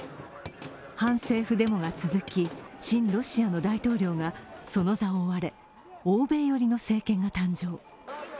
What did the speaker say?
反政府デモが続き、親ロシアの大統領がその座を追われ、欧米寄りの政権が誕生。